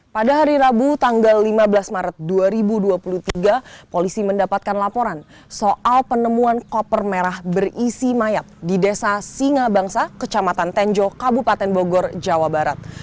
pada hari rabu tanggal lima belas maret dua ribu dua puluh tiga polisi mendapatkan laporan soal penemuan koper merah berisi mayat di desa singa bangsa kecamatan tenjo kabupaten bogor jawa barat